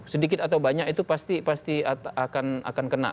sedikit atau banyak itu pasti akan kena